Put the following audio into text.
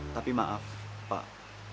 tapi maaf pak